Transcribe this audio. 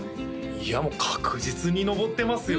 いやもう確実に上ってますよ